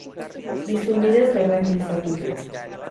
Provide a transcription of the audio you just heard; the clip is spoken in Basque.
Bizum bidez ordain diezazuket.